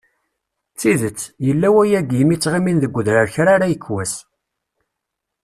D tidet, yella wayagi imi ttɣimin deg udrar kra ara yekk wass.